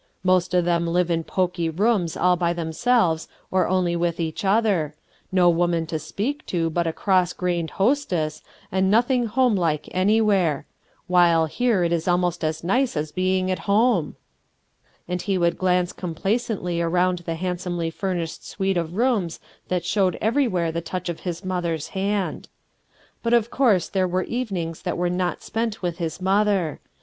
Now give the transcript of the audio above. "Most of thcrn live in pokey rooms all by themselves or with only each other; no woman to speak to but a cross grained hostess, and nothing homelike any where; while here it is almost as nice as being at home." And he would glance complacently' around the handsomely furnished suite of rooms that fehowed everywhere the touch of his mother's hand. But of course there were evenings that were not spent with his mother.